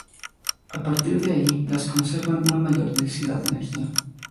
A partir de ahí, las conservan una mayor densidad de energía.